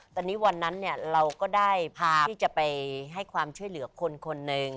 ตอนนี้วันนั้นเนี่ยเราก็ได้ภาพที่จะไปให้ความช่วยเหลือคนคนหนึ่ง